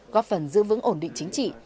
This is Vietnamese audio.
góp phần giữ vững ổn định chính trị